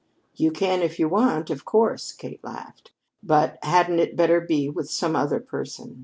"You can if you want, of course," Kate laughed. "But hadn't it better be with some other person?